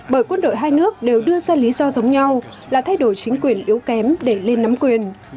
bởi quân đội hai nước đều đưa ra lý do giống nhau là thay đổi chính quyền yếu kém để lên nắm quyền